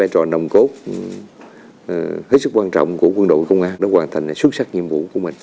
trò nồng cốt hết sức quan trọng của quân đội công an đã hoàn thành xuất sắc nhiệm vụ của mình